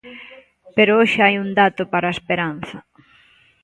Pero hoxe hai un dato para a esperanza.